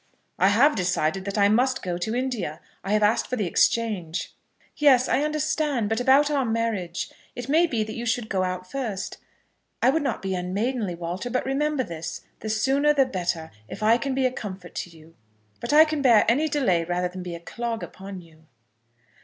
"I have decided that I must go to India. I have asked for the exchange." "Yes; I understand; but about our marriage. It may be that you should go out first. I would not be unmaidenly, Walter; but remember this the sooner the better, if I can be a comfort to you; but I can bear any delay rather than be a clog upon you."